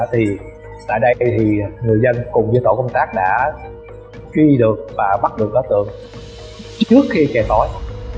thì tại đây thì người dân cùng với tổ công tác đã truy được và bắt được đối tượng trước khi trời tối